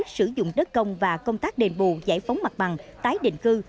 sử dụng đất công và công tác đền bù giải phóng mặt bằng tái định cư